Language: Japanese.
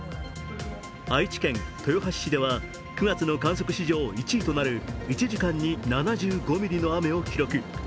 愛知県豊橋市では９月の観測史上１位となる１時間に７５ミリの雨を記録。